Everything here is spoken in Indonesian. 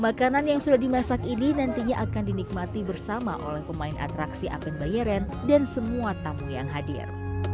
makanan yang sudah dimasak ini nantinya akan dinikmati bersama oleh pemain atraksi apen bayeren dan semua tamu yang hadir